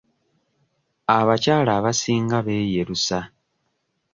Abakyala abasinga beeyerusa.